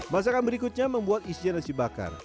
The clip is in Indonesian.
masakan berikutnya membuat isian nasi bakar